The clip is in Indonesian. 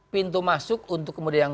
pintu masuk untuk kemudian